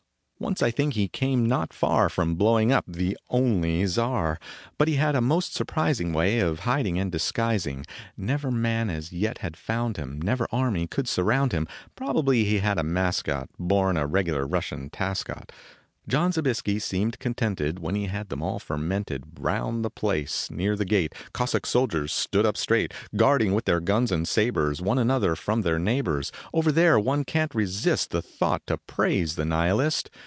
Once I think he came not far From blowing up "the only" czar, But he had a most surprising Way of hiding and disguising Never man as yet had found him, Never army could surround him. Probably he had a mascot Born a regular Russian Tascott. John Zobiesky seemed contented When he had them all fermented Round the palace. Near the gate Cossack soldiers stood up straight, Guarding with their guns and sabers One another from their neighbors ; Over there one can t resist The thought to praise the nihilist.